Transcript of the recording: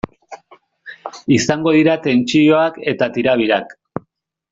Izango dira tentsioak eta tirabirak.